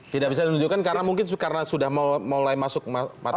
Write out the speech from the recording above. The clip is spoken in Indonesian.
tidak bisa ditunjukkan karena mungkin karena sudah mulai masuk materi